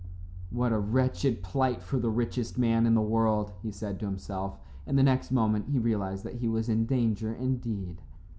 "What a wretched plight for the richest man in the world," he said to himself, and the next moment he realized that he was in danger indeed.